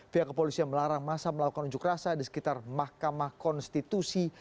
pihak kepolisian melarang masa melakukan unjuk rasa di sekitar mahkamah konstitusi